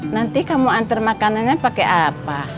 nanti kamu antar makanannya pakai apa